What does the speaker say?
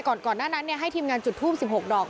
ก่อนหน้านั้นให้ทีมงานจุดทูป๑๖ดอก